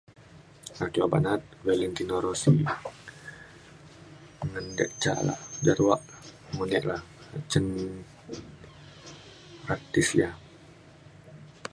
ake obak na’at Valentino Rossi ngan diak ca la’a [unintelligible] cen artis ya.